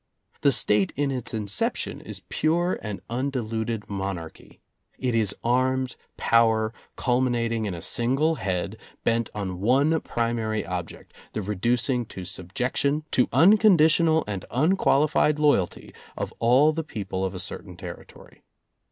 The State in its inception is pure and undiluted monarchy; it is armed power, culminating in a single head, bent on one primary object, the re ducing to subjection, to unconditional and un qualified loyalty of all the people of a certain territory.